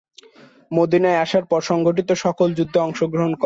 মদীনায় আসার পর সংঘটিত সকল যুদ্ধে অংশগ্রহণ করেন।